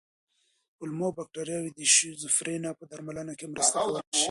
کولمو بکتریاوې د شیزوفرینیا په درملنه کې مرسته کولی شي.